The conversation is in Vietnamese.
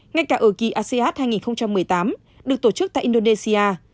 ngay cả ở kỳ asean hai nghìn một mươi tám được tổ chức tại indonesia